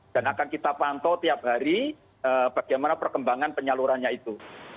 dan akan kita pantau tiap hari bagaimana perkembangan penyalurannya itu